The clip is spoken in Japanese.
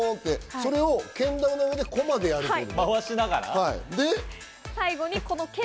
それをけん玉の上でコマでやるという。